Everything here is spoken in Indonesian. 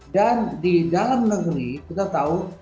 dan di dalam negeri kita tahu